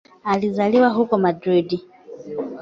Alizaliwa huko Madrid.